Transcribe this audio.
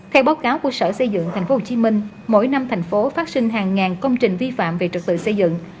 theo báo cáo của sở xây dựng tp hcm mỗi năm thành phố phát sinh hàng ngàn công trình vi phạm về trật tự xây dựng